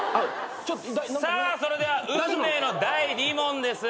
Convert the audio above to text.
さあそれでは運命の第２問です。